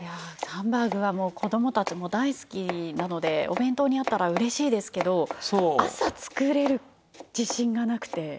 いやハンバーグはもう子供たちも大好きなのでお弁当にあったら嬉しいですけど朝作れる自信がなくて。